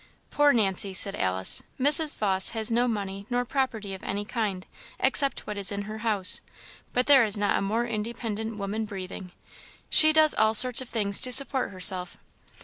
"Poor Nancy!" said Alice. "Mrs. Vawse has no money nor property of any kind, except what is in her house; but there is not a more independent woman breathing. She does all sorts of things to support herself.